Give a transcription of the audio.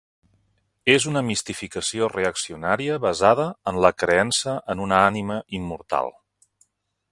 És una mistificació reaccionària basada en la creença en una ànima immortal